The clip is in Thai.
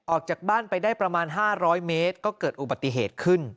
ออกจากบ้านไปได้ประมาณ๕๐๐เมตรก็เกิดอุบัติเหตุขึ้น